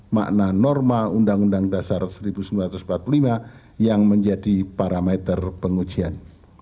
makna norma undang undang dasar seribu sembilan ratus empat puluh lima yang menjadi parameter pengujian